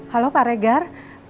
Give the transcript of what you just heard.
halo pak regar